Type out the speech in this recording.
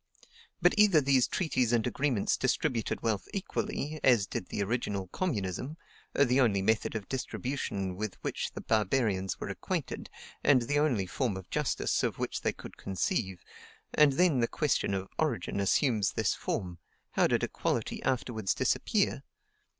But either these treaties and agreements distributed wealth equally, as did the original communism (the only method of distribution with which the barbarians were acquainted, and the only form of justice of which they could conceive; and then the question of origin assumes this form: how did equality afterwards disappear?)